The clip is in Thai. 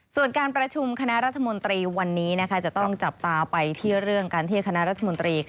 ส่วนการประชุมคณะรัฐมนตรีวันนี้จะต้องจับตาไปที่เรื่องการที่คณะรัฐมนตรี